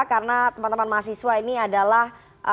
mas iswa karena teman teman mas iswa ini adalah